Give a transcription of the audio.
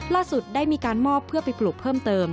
ได้มีการมอบเพื่อไปปลูกเพิ่มเติม